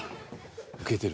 ウケてる。